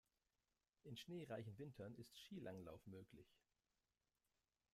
In schneereichen Wintern ist Skilanglauf möglich.